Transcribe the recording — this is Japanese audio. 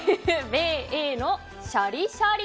米英のシャリシャリ。